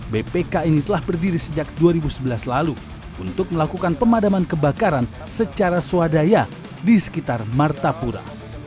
bpk ini telah berdiri sejak dua ribu sebelas lalu untuk melakukan pemadaman kebakaran secara swadaya di sekitar martapura